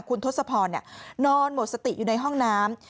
คุณทศพรนอนหมดสติอยู่ในห้องน้ำ